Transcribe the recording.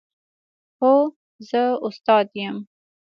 هو، زه استاد یم